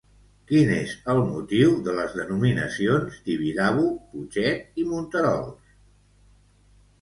Quin és el motiu de les denominacions Tibidabo, Putxet i Monterols?